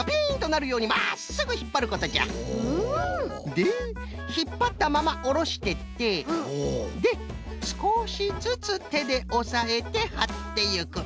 でひっぱったままおろしてってですこしずつてでおさえてはっていく。